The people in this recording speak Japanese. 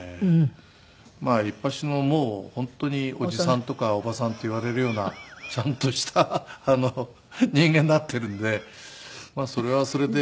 まあいっぱしのもう本当におじさんとかおばさんって言われるようなちゃんとした人間になってるのでそれはそれでなんか。